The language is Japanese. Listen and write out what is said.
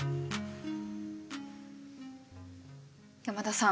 山田さん。